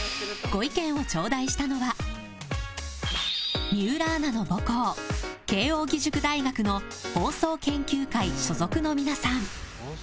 ご意見をちょうだいしたのは水卜アナの母校、慶應義塾大学の放送研究会所属の皆さん。